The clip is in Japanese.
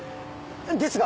ですが。